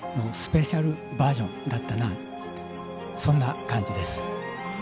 スペシャルバージョンだったなそんな感じです。